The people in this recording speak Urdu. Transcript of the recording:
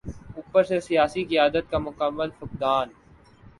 اوپر سے سیاسی قیادت کا مکمل فقدان۔